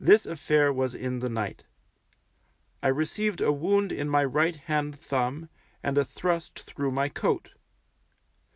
This affair was in the night. I received a wound in my right hand thumb, and a thrust through my coat.